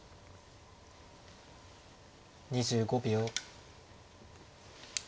２５秒。